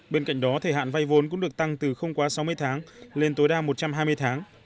bên cạnh đó thời hạn vay vốn cũng được tăng từ không quá sáu mươi tháng lên tối đa một trăm hai mươi tháng